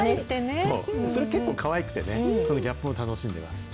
それ、結構かわいくてね、そういうギャップを楽しんでます。